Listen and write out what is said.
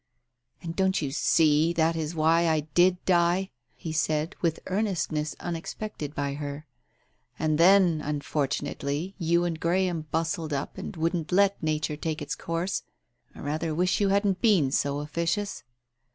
"And don't you see that is why I did die," he said, with earnestness unexpected by her. "And then, un fortunately, you and Graham bustled up and wouldn't let Nature take its course. ... I rather wish you hadn't been so officious."